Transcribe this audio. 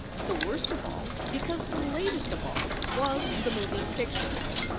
The worst of all, because the latest of all, was the moving picture!